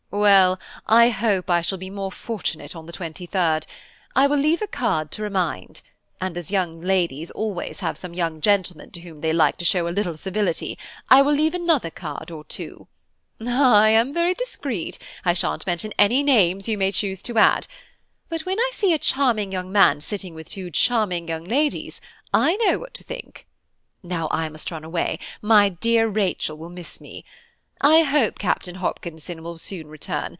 "Well, I hope I shall be more fortunate on the 23rd. I will leave a card to remind; and as young ladies always have some young gentlemen to whom they like to show a little civility, I will leave another card or two. Ah! I am very discreet, I shan't mention any names you may choose to add; but when I see a charming young man sitting with two charming young ladies, I know what to think. Now I must run away; my dear Rachel will miss me. I hope Captain Hopkinson will soon return.